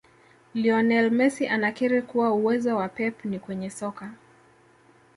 Lionel Messi anakiri kuwa uwezo wa pep ni kwenye soka